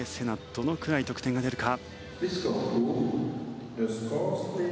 どのくらい得点が出るか。